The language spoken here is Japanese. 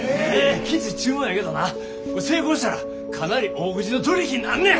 きつい注文やけどな成功したらかなり大口の取り引きになんねん。